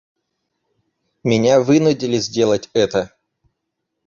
Меня вынудили сделать это.